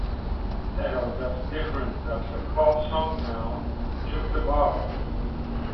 Hell, that's different-that's a pop song now, just about.